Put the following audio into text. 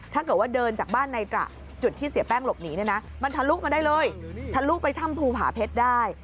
ถ้าเกิดว่าเดินจากบ้านในตระจุดที่เสียแป้งหลบหนีเนี่ยนะมันทะลุมาได้เลยทะลุไปถ้ำภูผาเพชรได้